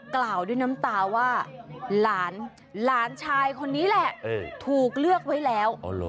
กล่าวด้วยน้ำตาว่าหลานหลานชายคนนี้แหละถูกเลือกไว้แล้ว